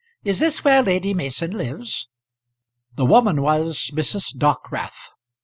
"Is this where Lady Mason lives?" The woman was Mrs. Dockwrath.